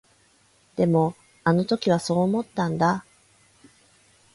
でも、あの時はそう思ったんだ。